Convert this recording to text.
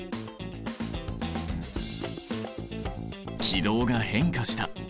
軌道が変化した。